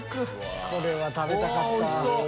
これは食べたかった。